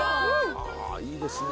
ああいいですね。